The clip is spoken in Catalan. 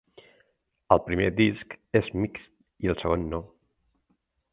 El primer disc és mixt i el segon no.